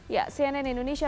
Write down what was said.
ya cnn indonesia